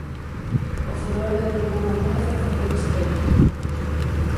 O furor do tribuno mozo foi extremo.